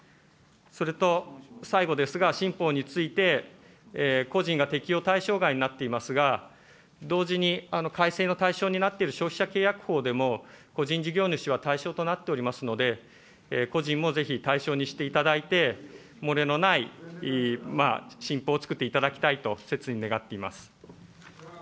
それと、最後ですが、新法について、個人が適用対象外になっていますが、同時に改正の対象になっている消費者契約法でも、個人事業主は対象となっておりますので、個人もぜひ対象にしていただいて、漏れのない新法を作っていただきたいと切に願っています。